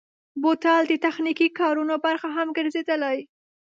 بوتل د تخنیکي کارونو برخه هم ګرځېدلی.